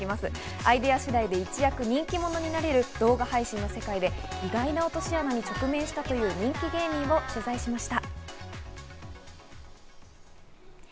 アイデア次第で一躍人気者になれる動画配信の世界で意外な落とし穴に直面したという人気芸人を取材しました。